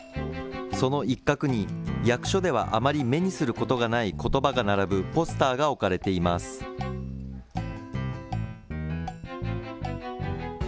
その一角に、役所ではあまり目にすることがないことばが並ぶポスターが置かれています。